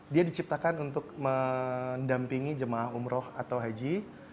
dia diciptakan untuk mendampingi jemaah umroh atau haji